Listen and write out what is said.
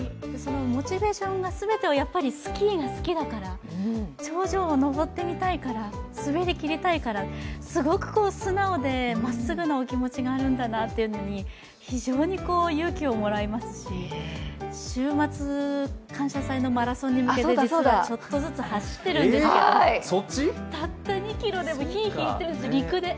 モチベーションの全てがスキーが好きだから、頂上を登ってみたいから、滑りきりたいから、すごく素直でまっすぐなお気持ちがあるんだなというのに、非常に勇気をもらいますし、週末、「感謝祭」のマラソンに向けて実はちょっとずつ走っているんですけど、たった２ｋｍでもヒーヒー言ってるんです、陸で。